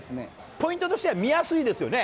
ポイントとしては見やすいですよね。